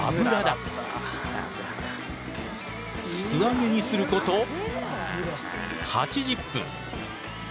素揚げにすること８０分。